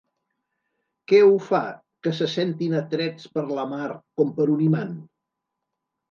Què ho fa, que se sentin atrets per la mar com per un imant?